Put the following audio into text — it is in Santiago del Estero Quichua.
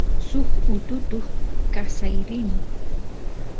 suk ututut kasay rini